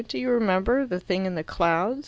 "Do you remember the thing in 'The Clouds'?"